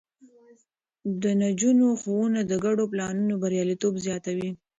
د نجونو ښوونه د ګډو پلانونو برياليتوب زياتوي.